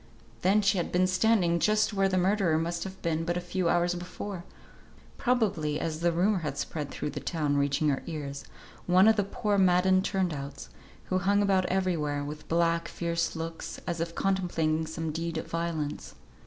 Then she had been standing just where the murderer must have been but a few hours before; probably (as the rumour had spread through the town, reaching her ears) one of the poor maddened turn outs, who hung about everywhere, with black, fierce looks, as if contemplating some deed of violence.